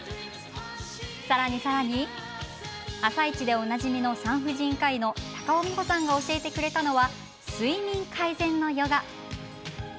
さらに、さらに「あさイチ」でおなじみの産婦人科医の高尾美穂さんが教えてくれたのは睡眠改善のヨガ。